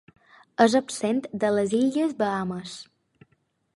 És absent de les illes Bahames.